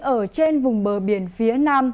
ở trên vùng bờ biển phía nam